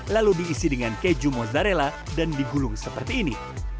lalu diisi dengan keju mozzarella dan digulung seperti ini